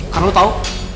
karena lo tau